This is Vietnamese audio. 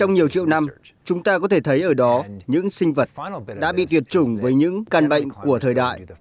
nhiều triệu năm chúng ta có thể thấy ở đó những sinh vật đã bị tuyệt chủng với những căn bệnh của thời đại